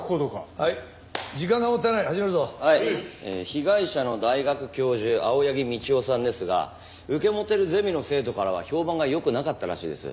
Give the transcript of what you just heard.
被害者の大学教授青柳道夫さんですが受け持ってるゼミの生徒からは評判が良くなかったらしいです。